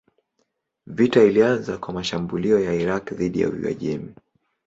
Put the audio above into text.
Vita ilianza kwa mashambulio ya Irak dhidi ya Uajemi.